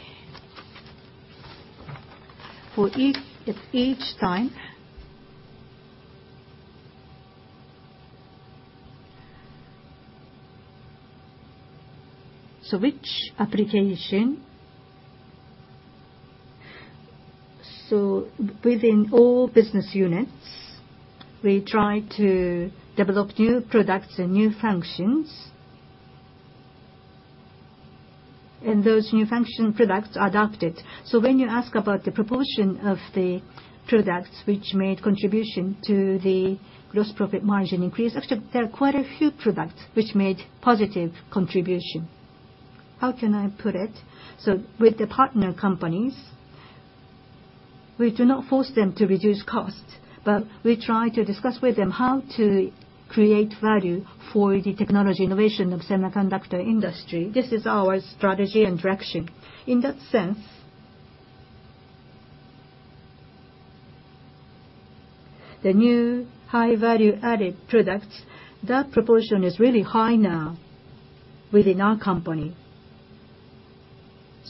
Speaker 3: For each time. Which application? Within all business units, we try to develop new products and new functions. Those new function products are adopted. When you ask about the proportion of the products which made contribution to the gross profit margin increase, actually, there are quite a few products which made positive contribution. How can I put it? With the partner companies, we do not force them to reduce costs. We try to discuss with them how to create value for the technology innovation of semiconductor industry. This is our strategy and direction. In that sense, the new high value-added products, that proportion is really high now within our company.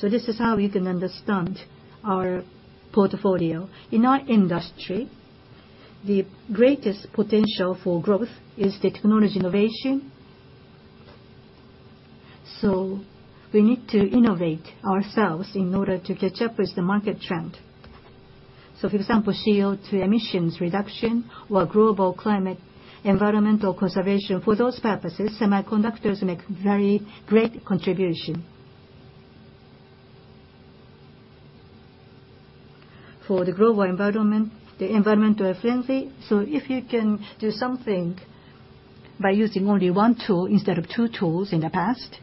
Speaker 3: This is how you can understand our portfolio. In our industry, the greatest potential for growth is technology innovation. We need to innovate ourselves in order to catch up with the market trend. For example, CO2 emissions reduction or global climate environmental conservation. For those purposes, semiconductors make very great contribution. For the global environment, they're environmentally friendly. If you can do something by using only one tool instead of two tools in the past,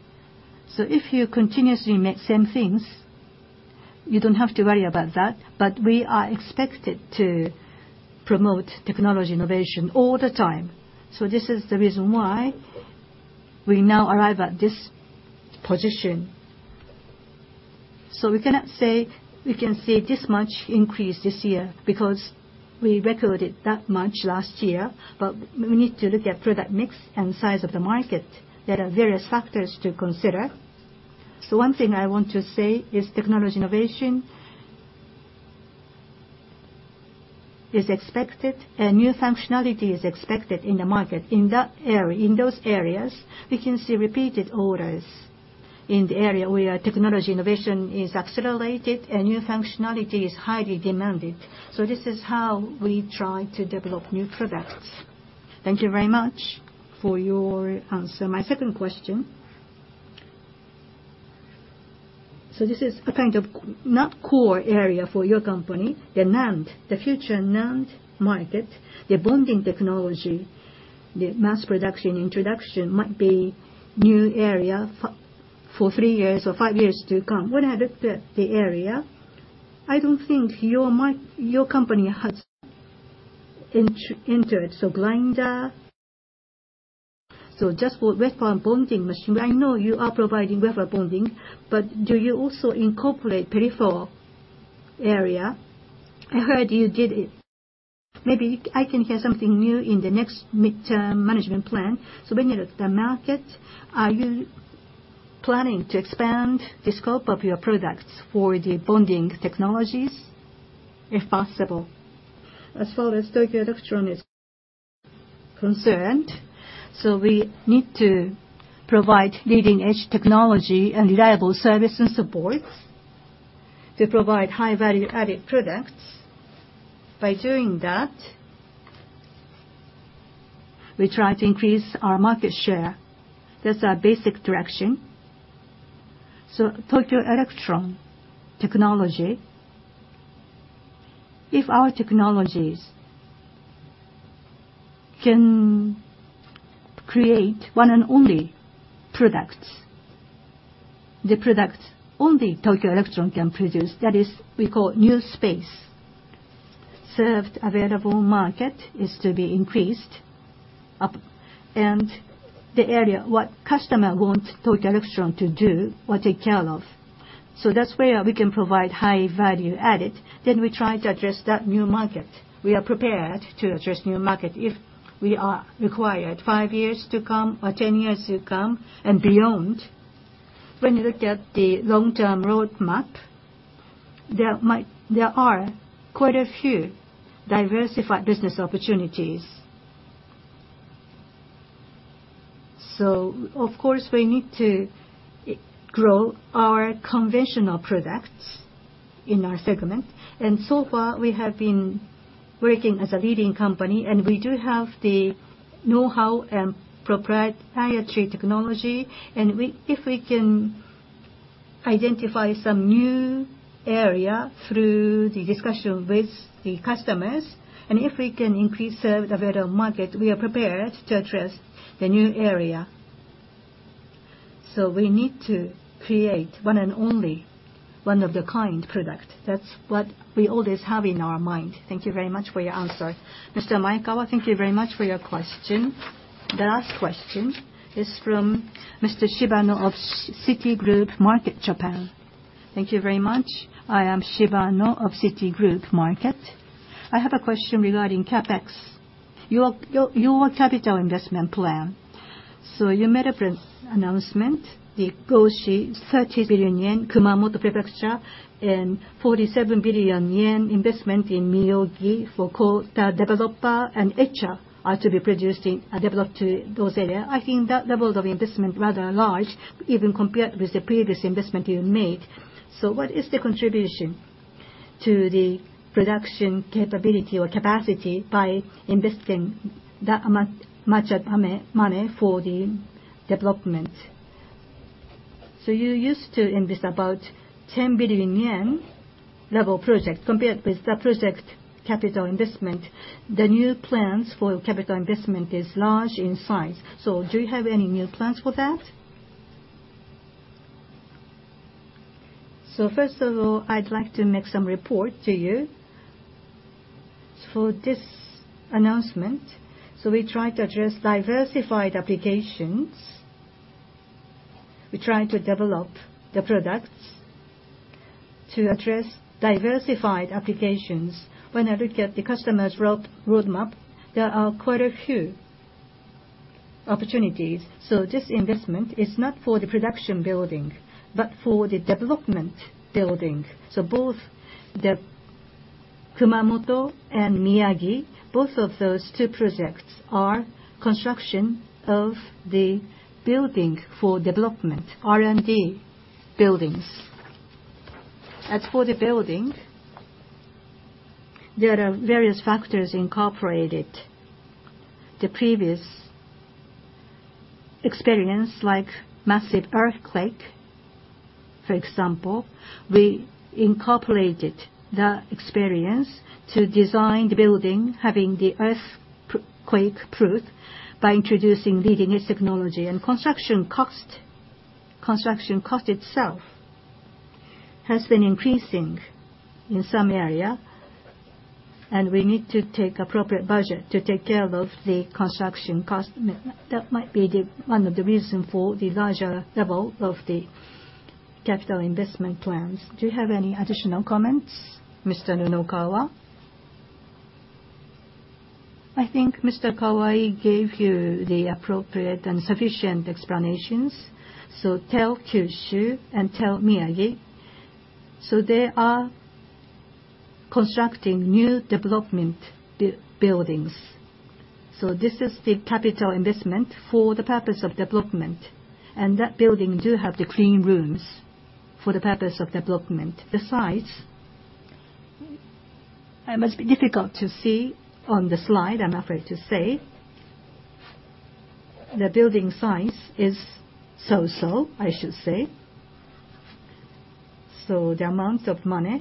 Speaker 3: so if you continuously make same things, you don't have to worry about that. We are expected to promote technology innovation all the time. This is the reason why we now arrive at this position. We cannot say we can see this much increase this year because we recorded that much last year. We need to look at product mix and size of the market. There are various factors to consider. One thing I want to say is technology innovation is expected and new functionality is expected in the market. In that area, in those areas, we can see repeated orders in the area where technology innovation is accelerated and new functionality is highly demanded. This is how we try to develop new products.
Speaker 12: Thank you very much for your answer. My second question. This is a kind of not core area for your company, the NAND, the future NAND market, the bonding technology, the mass production introduction might be new area for three years or five years to come.
Speaker 1: When I looked at the area, I don't think your company has entered. Grinder. Just for wafer bonding machine, I know you are providing wafer bonding, but do you also incorporate peripheral area? I heard you did it. Maybe I can hear something new in the next midterm management plan. When you look at the market, are you planning to expand the scope of your products for the bonding technologies, if possible?
Speaker 3: As far as Tokyo Electron is concerned, we need to provide leading-edge technology and reliable service and support to provide high value-added products. By doing that, we try to increase our market share. That's our basic direction. Tokyo Electron technology, if our technologies can create one and only products, the products only Tokyo Electron can produce, that is, we call new space. Serviceable addressable market is to be increased up, and the area that customer wants Tokyo Electron to do or take care of. That's where we can provide high value added, then we try to address that new market. We are prepared to address new market if we are required, five years to come or 10 years to come and beyond. When you look at the long-term roadmap, there are quite a few diversified business opportunities. Of course, we need to grow our conventional products in our segment, and so far we have been working as a leading company, and we do have the know-how and proprietary technology. If we can identify some new area through the discussion with the customers, and if we can increase the available market, we are prepared to address the new area. We need to create one and only, one of a kind product. That's what we always have in our mind.
Speaker 12: Thank you very much for your answer.
Speaker 1: Mr. Maekawa, thank you very much for your question. The last question is from Mr. Shibano of Citigroup Global Markets Japan. Thank you very much.
Speaker 13: I am Shibano of Citigroup Global Markets Japan. I have a question regarding CapEx. Your capital investment plan. You made a press announcement, the Koshi, 30 billion yen, Kumamoto Prefecture, and 47 billion yen investment in Miyagi for coater/developer and etcher are to be produced in, developed in those areas. I think that level of investment rather large, even compared with the previous investment you made. What is the contribution to the production capability or capacity by investing that amount, much money for the development?
Speaker 3: You used to invest about 10 billion yen level project. Compared with the project capital investment, the new plans for capital investment is large in size. Do you have any new plans for that? First of all, I'd like to make some report to you. For this announcement, we try to address diversified applications. We try to develop the products to address diversified applications. When I look at the customer's roadmap, there are quite a few opportunities. This investment is not for the production building, but for the development building. Both the Kumamoto and Miyagi, both of those two projects are construction of the building for development, R&D buildings. As for the building, there are various factors incorporated. The previous experience like massive earthquake, for example, we incorporated the experience to design the building having the earthquake-proof by introducing leading-edge technology. Construction cost itself has been increasing in some area, and we need to take appropriate budget to take care of the construction cost. That might be the one of the reason for the larger level of the capital investment plans. Do you have any additional comments, Mr. Nunokawa?
Speaker 4: I think Mr. Kawai gave you the appropriate and sufficient explanations. Tokyo Electron Kyushu and Tokyo Electron Miyagi are constructing new development buildings. This is the capital investment for the purpose of development, and that building do have the clean rooms for the purpose of development. The size must be difficult to see on the slide, I'm afraid to say. The building size is so-so, I should say. The amount of money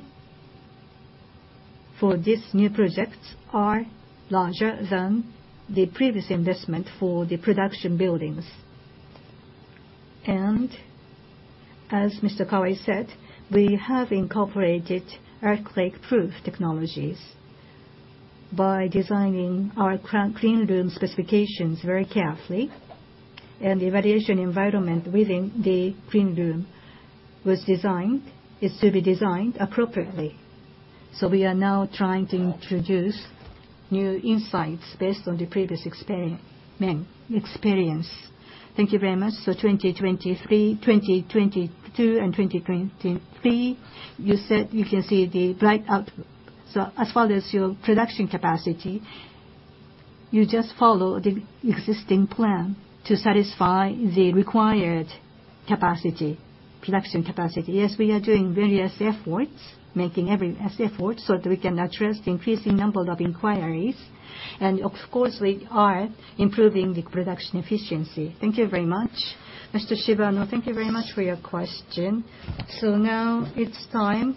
Speaker 4: for this new projects are larger than the previous investment for the production buildings. As Mr. Kawai said, we have incorporated earthquake-proof technologies by designing our clean room specifications very carefully, and the evaluation environment within the clean room was designed, is to be designed appropriately. We are now trying to introduce new insights based on the previous experience. Thank you very much. 2023, 2022, and 2023, you said you can see the bright outlook. As well as your production capacity, you just follow the existing plan to satisfy the required capacity, production capacity. Yes, we are doing various efforts, making every effort, so that we can address the increasing number of inquiries. Of course, we are improving the production efficiency.
Speaker 13: Thank you very much.
Speaker 1: Mr. Shibano, thank you very much for your question. Now it's time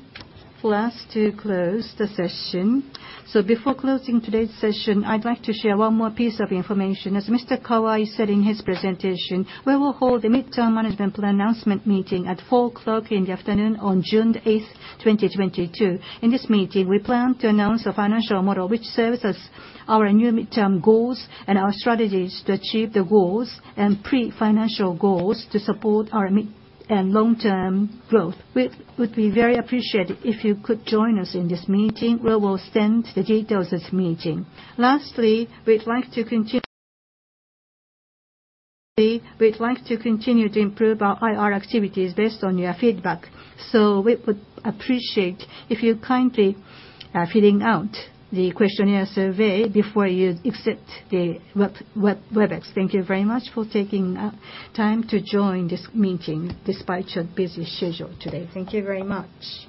Speaker 1: for us to close the session. Before closing today's session, I'd like to share one more piece of information. As Mr. Kawai said in his presentation, we will hold a midterm management plan announcement meeting at 4:00 P.M. on June 8th, 2022. In this meeting, we plan to announce a financial model which serves as our new midterm goals and our strategies to achieve the goals and pre-financial goals to support our mid and long-term growth. We would be very appreciative if you could join us in this meeting. We will send the details of this meeting. Lastly, we'd like to continue to improve our IR activities based on your feedback. We would appreciate if you kindly filling out the questionnaire survey before you exit the Webex.
Speaker 3: Thank you very much for taking time to join this meeting despite your busy schedule today. Thank you very much.